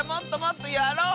やろう！